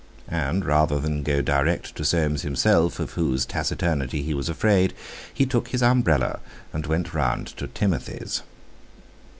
And, rather than go direct to Soames himself, of whose taciturnity he was afraid, he took his umbrella and went round to Timothy's.